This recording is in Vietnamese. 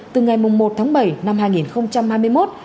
từ ngày một tháng bảy năm hai nghìn hai mươi một